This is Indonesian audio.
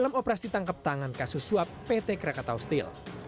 dalam operasi tangkep tangan kasus swab pt krakatau steel